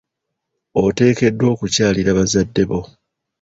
Oteekeddwa okukyalira bazadde bo.